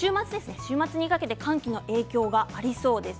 週末にかけての寒気の影響がありそうです。